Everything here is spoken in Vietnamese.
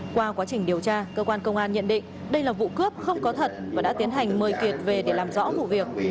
qua quá trình điều tra cơ quan công an nhận định đây là vụ cướp không có thật và đã tiến hành mời kiệt về để làm rõ vụ việc